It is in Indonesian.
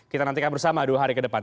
kita nantikan bersama dua hari ke depan